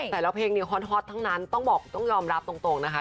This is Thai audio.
แต่ละเพลงเนี่ยฮอตทั้งนั้นต้องบอกต้องยอมรับตรงนะคะ